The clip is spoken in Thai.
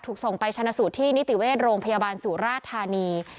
ถูกส่งไปชนะสูตรที่นิติเวชโรงพยาบาลสุราธานี